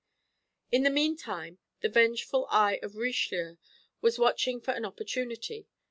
In the meantime the vengeful eye of Richelieu was watching for an opportunity.